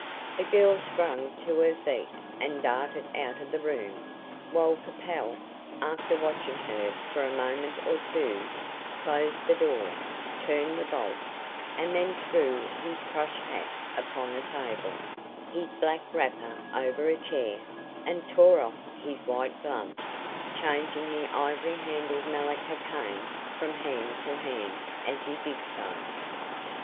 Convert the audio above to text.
The girl sprang to her feet and darted out of the room, while Capel, after watching her for a moment or two, closed the door, turned the bolt, and then threw his crush hat upon a table, his black wrapper over a chair, and tore off his white gloves, changing the ivory handled malacca cane from hand to hand as he did so.